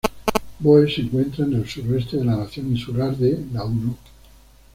Boe se encuentra en el suroeste de la nación insular de Nauru.